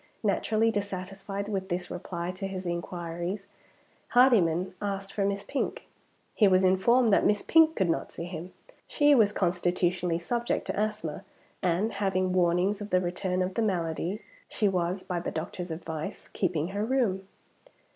Naturally dissatisfied with this reply to his inquiries, Hardyman asked for Miss Pink. He was informed that Miss Pink could not see him. She was constitutionally subject to asthma, and, having warnings of the return of the malady, she was (by the doctor's advice) keeping her room.